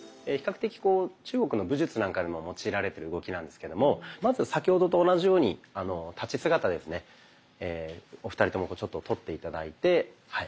的中国の武術なんかでも用いられてる動きなんですけどもまず先ほどと同じように立ち姿ですねお二人ともとって頂いてはい。